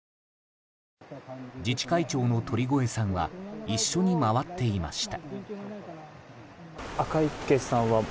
自治会長の鳥越さんは一緒に回っていました。